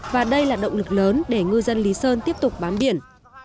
và đây là động lực lớn để ngư dân lý sơn tiếp tục bám biển